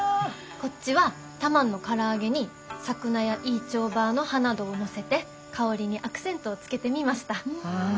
こっちはタマンのから揚げにサクナやイーチョーバーの葉などをのせて香りにアクセントをつけてみました。